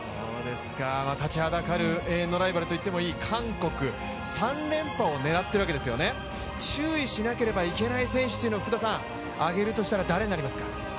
立ちはだかる永遠のライバルと言ってもいい韓国、３連覇を狙っているわけですよね、注意しなければいけない選手を挙げるとしたら誰になりますか？